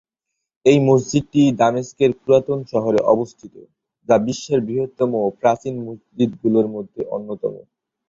এই মসজিদটি দামেস্কের পুরাতন শহরে অবস্থিত, যা বিশ্বের বৃহত্তম ও প্রাচীন মসজিদগুলোর মধ্যে অন্যতম।